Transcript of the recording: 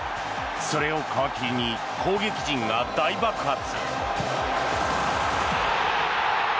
それを皮切りに攻撃陣が大爆発。